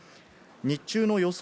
日中の予想